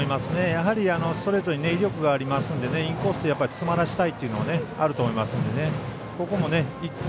やはり、ストレートに威力がありますのでインコースを詰まらせたいのがあると思います。